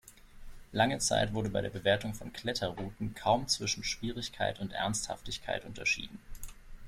Lange Zeit wurde bei der Bewertung von Kletterrouten kaum zwischen Schwierigkeit und Ernsthaftigkeit unterschieden.